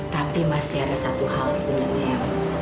tapi masih ada satu hal sebenarnya